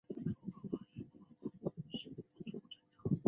文嬴以母亲的身分说服晋襄公释放三将归秦。